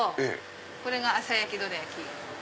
これが朝焼きどら焼き。